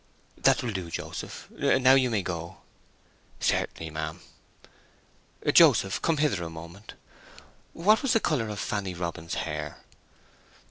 "That will do, Joseph; now you may go." "Certainly, ma'am." "Joseph, come hither a moment. What was the colour of Fanny Robin's hair?"